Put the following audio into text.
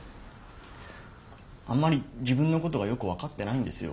あんまり自分のことがよく分かってないんですよ